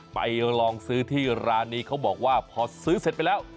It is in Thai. ไปลองซื้อที่ร้านนี้เขาบอกว่าพอซื้อเสร็จไปแล้ว